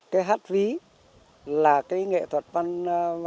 cái hát ví là cái nghệ thuật văn hóa